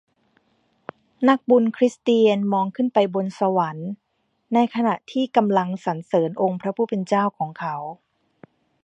นักบุญคริสเตียนมองขึ้นไปบนสวรรค์ในขณะที่กำลังสรรเสริญองค์พระผู้เป็นเจ้าของเขา